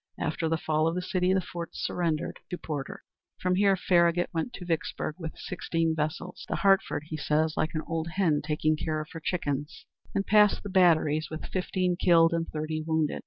After the fall of the city, the forts surrendered to Porter. From here Farragut went to Vicksburg with sixteen vessels, "the Hartford," he says "like an old hen taking care of her chickens," and passed the batteries with fifteen killed and thirty wounded.